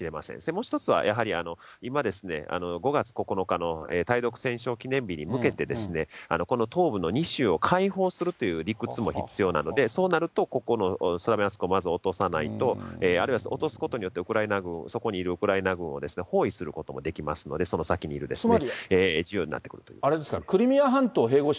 もう一つはやはり今、５月９日の大陸勝戦記念日に向けて、この東部の２州を解放するという理屈も必要なので、そうなるとここのスラビャンスクを落とさないと、あるいは落とすことによって、そこにいるウクライナ軍を包囲することができますので、その先にいるですね。